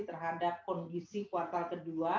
terhadap kondisi kuartal ke dua